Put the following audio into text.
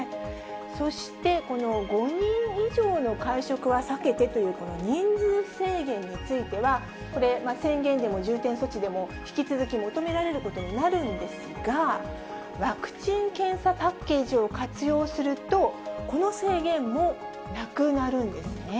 そして、この５人以上の会食は避けてというこの人数制限については、これ、宣言でも重点措置でも引き続き求められることになるんですが、ワクチン・検査パッケージを活用すると、この制限もなくなるんですね。